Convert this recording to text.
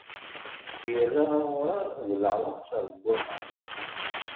Irra aɣurar d leɛwanser n waman.